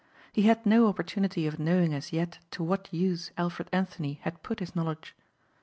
He had no opportunity of knowing as yet to what use Alfred Anthony had put his knowledge.